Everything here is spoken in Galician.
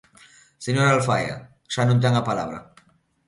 Señora Alfaia, xa non ten a palabra.